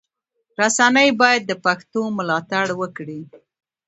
رسنی باید د پښتو ملاتړ وکړي.